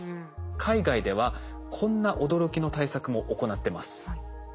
海外ではこんな驚きの対策も行ってます。